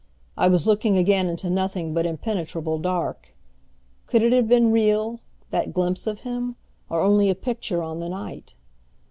I was looking again into nothing but impenetrable dark. Could it have been real that glimpse of him or only a picture on the night?